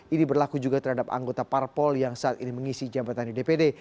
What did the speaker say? ini berlaku juga terhadap anggota parpol yang saat ini mengisi jabatan di dpd